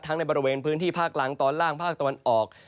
ในบริเวณพื้นที่ภาคล่างตอนล่างภาคตะวันออก